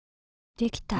できた。